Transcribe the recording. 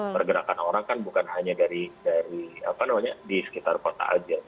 pergerakan orang kan bukan hanya dari apa namanya di sekitar kota aja